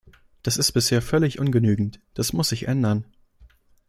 Das ist bisher völlig ungenügend, das muss sich ändern!